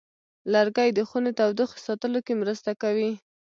لرګی د خونې تودوخې ساتلو کې مرسته کوي.